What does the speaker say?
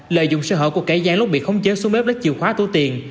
lợi dụng sở hữu của kẻ gián lúc bị khống chế xuống bếp đất chiều khóa tủ tiền